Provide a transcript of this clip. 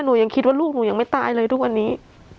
หนูยังคิดว่าลูกหนูยังไม่ตายเลยทุกวันนี้